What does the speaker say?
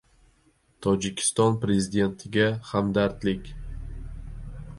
Tojikiston Prezidentiga hamdardlik